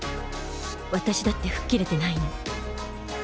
私だって吹っ切れてないの。